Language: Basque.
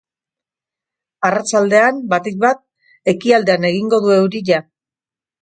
Arratsaldean, batik bat ekialdean egingo du euria.